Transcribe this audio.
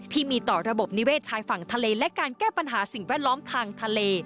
ที่มีต่อระบบนิเวศชายฝั่งทะเลและการแก้ปัญหาสิ่งแวดล้อมทางทะเล